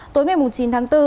tối ngày chín tháng bốn